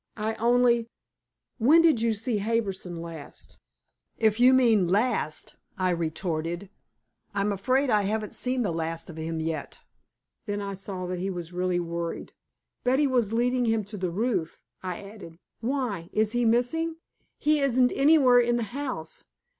I only when did you see Harbison last?" "If you mean 'last,'" I retorted, "I'm afraid I haven't seen the last of him yet." Then I saw that he was really worried. "Betty was leading him to the roof," I added. "Why? Is he missing?" "He isn't anywhere in the house.